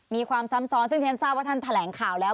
มีความซ้ำซ้อนซึ่งที่ฉันทราบว่าท่านแถลงข่าวแล้ว